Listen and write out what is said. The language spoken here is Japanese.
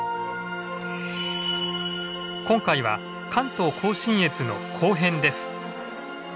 今回は関東甲信越の後編です。